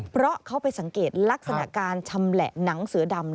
เพราะเขาไปสังเกตลักษณะการชำแหละหนังเสือดำ